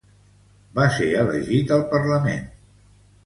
Va ser elegit al parlament.